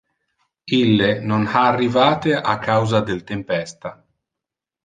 Ille non ha arrivate a causa del tempesta.